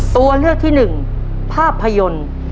ตัวเลือกที่หนึ่งภาพยนตร์